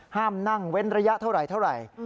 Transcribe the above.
ห้ามนั่งเว้นระยะเท่าไหร่